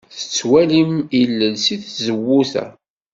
Tettwalim ilel seg tzewwut-a.